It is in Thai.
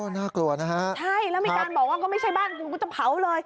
น่ากลัวนะเหรอใช่มีกาลบอกว่าก็ไม่ใช่บ้านกูบ้านกูจะเผา